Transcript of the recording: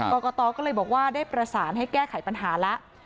กรกตก็เลยบอกว่าได้ประสานให้แก้ไขปัญหาแล้ว